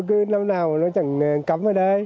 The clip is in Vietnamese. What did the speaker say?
cứ năm nào mà nó chẳng cấm ở đây